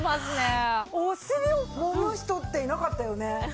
お尻もむ人っていなかったよね。